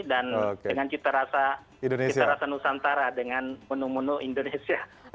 dan dengan cita rasa nusantara dengan menu menu indonesia